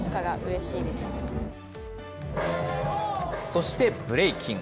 そしてブレイキン。